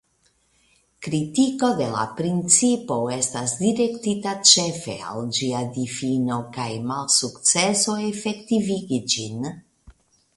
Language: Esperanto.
Kritiko de la principo estas direktita ĉefe al ĝia difino kaj malsukceso efektivigi ĝin.